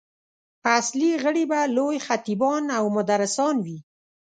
اصلي غړي به لوی خطیبان او مدرسان وي.